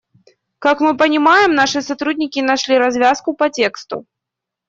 Как мы понимаем, наши сотрудники нашли развязку по тексту.